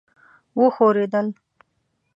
وښورېدل.